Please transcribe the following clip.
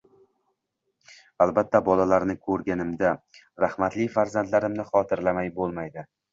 Albatta, bolalarni ko'iganimda rahmatli farzandimni xotirlamay bo'lmaydi.